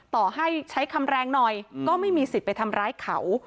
ต่อให้ใช้คำแรงหน่อยก็ไม่มีสิทธิ์ไปทำร้ายเขา